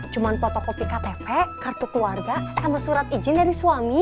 cuma fotokopi ktp kartu keluarga sama surat izin dari suami